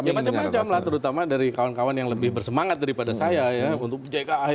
ya macam macam lah terutama dari kawan kawan yang lebih bersemangat daripada saya ya untuk jk ahy